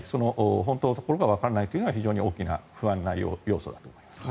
本当のところがわからないというのが非常に大きな不安な要素だと思いますね。